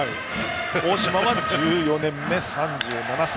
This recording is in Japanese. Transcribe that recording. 大島は１４年目の３７歳。